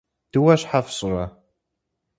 Дыуэ щхьэ фщӀырэ?